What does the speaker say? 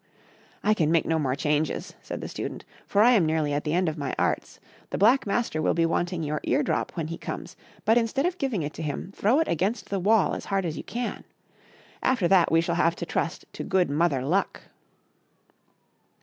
" I can make no more changes," said the Student, for I am nearly at the end of my arts. The Black Master will be wanting your ear drop when he comes, but, instead of giving it to him, throw it against the wall as hard as you can. After that we shall have to trust to good Mother Luck."